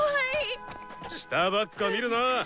下ばっか見るな！